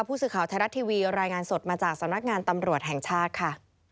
ผู้สื่อข่าวไทยรัฐทีวีรายงานสดมาจากสำนักงานตำรวจแห่งชาติค่ะ